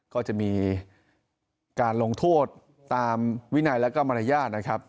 ก็จะมีการลงโทษตามวินัยและก็มารยาทนะครับ